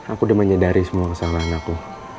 aku udah menyadari semua kesalahan aku